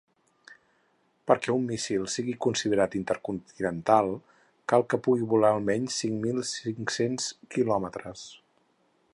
Perquè un míssil sigui considerat intercontinental cal que pugui volar almenys cinc mil cinc-cents quilòmetres.